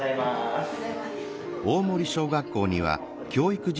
おはようございます。